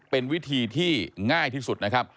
เป็นวิธีที่ง่ายที่สุดนะครับ